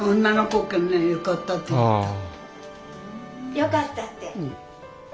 良かったって？